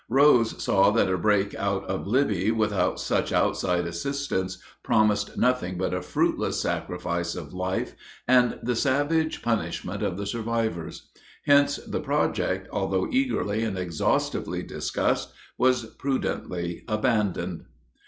Rose saw that a break out of Libby without such outside assistance promised nothing but a fruitless sacrifice of life and the savage punishment of the survivors. Hence the project, although eagerly and exhaustively discussed, was prudently abandoned.